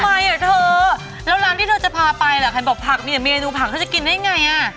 ทำไมอ่ะเธอแล้วร้านที่เธอจะพาไปล่ะใครบอกผักมีแต่เมนูผักเขาจะกินได้ไงอ่ะ